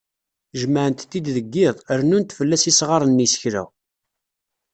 Jemεent-t-id deg yiḍ, rennunt fell-as isγaren n yisekla.